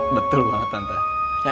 betul banget tante